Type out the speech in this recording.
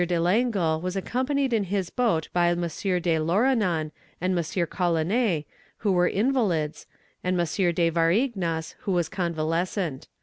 de Langle was accompanied in his boat by M. de Lauranon and M. Collinet, who were invalids, and M. de Varignas, who was convalescent.